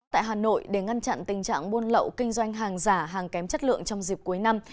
tại hà nội để ngăn chặn tình trạng buôn lậu kinh doanh hàng giả hàng kém chất lượng trong dịp cuối năm